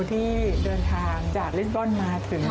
ที่เดินทางจากลิสบอลมาถึง